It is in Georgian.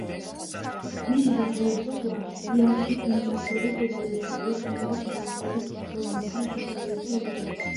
მისი სოციალური სტრუქტურა ირანში მცხოვრები ყიზილბაშური ტომების მომთაბარული ორგანიზაციის შესაბამისი იყო.